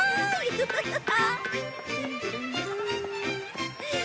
ハハハハ。